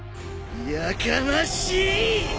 やかましい！